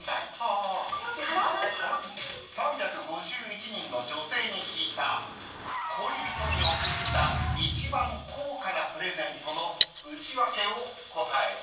［３５１人の女性に聞いた恋人に贈った一番高価なプレゼントのウチワケを答えろ］